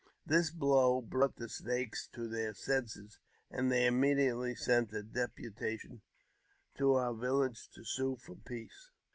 This blow broughf* the Snakes to their senses, and they immediately sent a depu tation to our village to sue for peace.